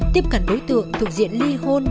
tiếp cận đối tượng thực diện ly hôn